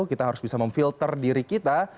kita harus bisa memfilter diri kita